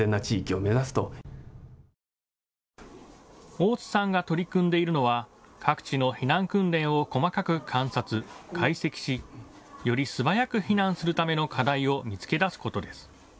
大津さんが取り組んでいるのは各地の避難訓練を細かく観察、解析し、より素早く避難するための課題を見つけ出すことです。